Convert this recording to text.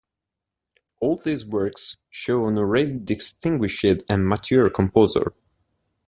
All these works show an already distinguished and mature composer.